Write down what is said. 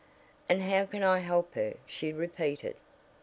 "And how can I help her?" she repeated.